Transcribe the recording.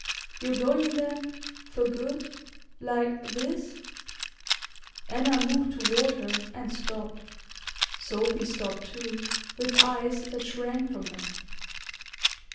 "You're going, then for good like this?" Anna moved toward her and stopped. Sophy stopped too, with eyes that shrank from her.